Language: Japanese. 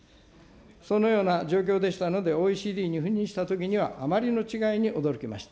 そのような状況でしたので、ＯＥＣＤに赴任したときは、あまりの違いに驚きました。